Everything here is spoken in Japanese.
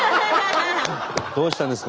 どうしたんですか？